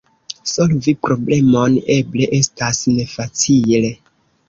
Solvi problemon eble estas nefacile.